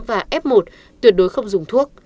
và f một tuyệt đối không dùng thuốc